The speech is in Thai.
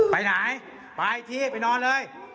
ไปไหนไปที่ไปนอนเลย